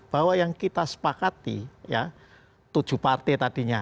bahwa yang kita sepakati ya tujuh partai tadinya